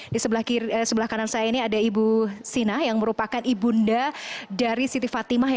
di sebelah kanan saya ini ada ibu sina yang merupakan ibunda dari siti fatimah